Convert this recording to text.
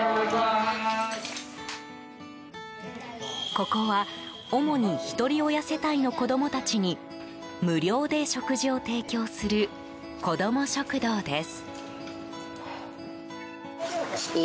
ここは、主にひとり親世帯の子供たちに無料で食事を提供する子ども食堂です。